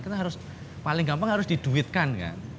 kita harus paling gampang harus diduitkan kan